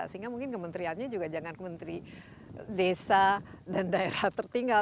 sehingga mungkin kementeriannya juga jangan kementerian desa dan daerah tertinggal